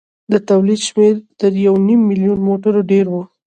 د تولید شمېر تر یو نیم میلیون موټرو ډېر و.